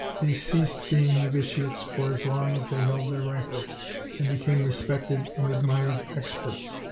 They ceased being novitiates for as long as they held their rifles, and became respected and admired experts.